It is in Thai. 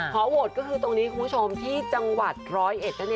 ขอโหวตก็คือตรงนี้คุณผู้ชมที่จังหวัดร้อยเอ็ดนั่นเอง